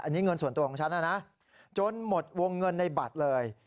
อันนี้เงินส่วนตัวของฉันนะนะจนหมดวงเงินในบัตรเลย